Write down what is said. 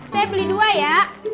saya beli dua ya